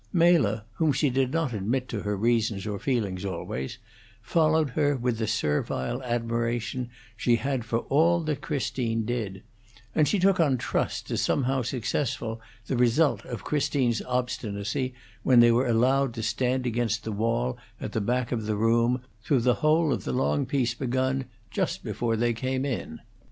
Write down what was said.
Mela, whom she did not admit to her reasons or feelings always, followed her with the servile admiration she had for all that Christine did; and she took on trust as somehow successful the result of Christine's obstinacy, when they were allowed to stand against the wall at the back of the room through the whole of the long piece begun just before they came in.